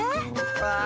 わあ！